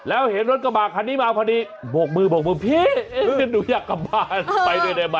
แล้วเห็นรถกระบากคันนี้มาพอดีบอกมึงพี่หนูอยากกลับบ้านไปได้ไหม